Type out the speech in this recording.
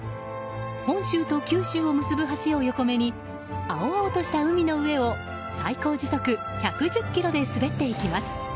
本州と九州を結ぶ橋を横目に青々とした海の上を最高時速１１０キロで滑っていきます。